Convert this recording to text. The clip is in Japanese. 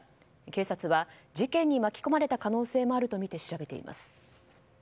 警察は事件に巻き込まれた可能性もあるとみて調べています。